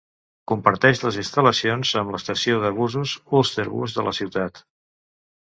Comparteix les instal·lacions amb l'estació de busos Ulsterbus de la ciutat.